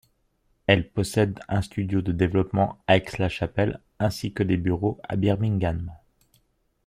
Elle possède un studio de développement à Aix-la-Chapelle, ainsi que des bureaux à Birmingham.